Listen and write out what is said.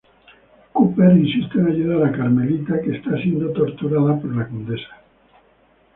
Cooper insiste en ayudar a Carmelita, que está siendo torturada por la Condesa.